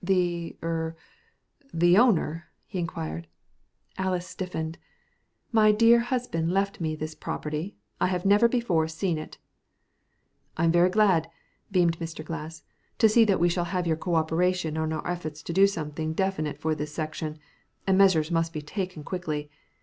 "The er the owner?" he inquired. Alys stiffened. "My dear husband left me this property. I have never before seen it." "I'm very glad," beamed Mr. Glass, "to see that we shall have your co operation in our efforts to do something definite for this section and measures must be taken quickly.